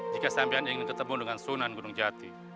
jika sampian ingin bertemu dengan sunan gunung jati